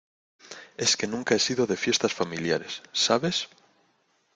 es que nunca he sido de fiestas familiares, ¿ sabes?